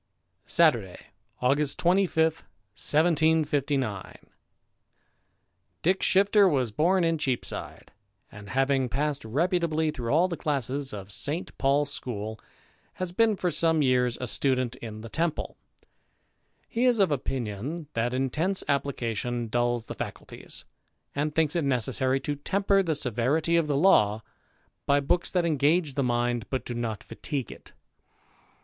Saturday, August 25, 1759. T^ICK SHIFTER was bora in Cheapside, and, having passed reputably through all the classes of St Paul's school, has been for some years a student in the Temple. He is of opinion, that intense application dulls the faculties, and thinks it necessary to temper the severity of the law by books that engage the mind, but do not fatigue it.